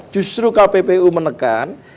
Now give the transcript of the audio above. justru kppu menekan